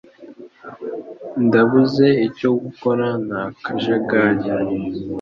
Ndabuze icyo gukora nakajagari.